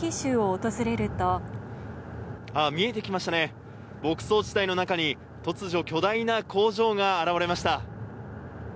ああ、見えてきましたね、牧草地帯の中に、突如、巨大な工場が現れました。